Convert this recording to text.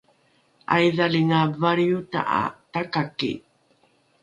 ’aidhalinga valriota ’a takaki